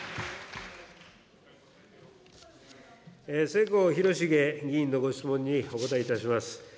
世耕弘成議員のご質問にお答えいたします。